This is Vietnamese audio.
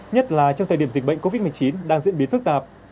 nhất là trong thời điểm dịch bệnh covid một mươi chín đang diễn biến phức tạp